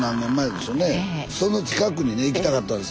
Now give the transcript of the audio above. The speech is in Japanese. その近くにね行きたかったんです。